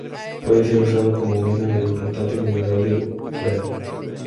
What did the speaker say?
Puede ser usado como mena del importante mineral de uranio.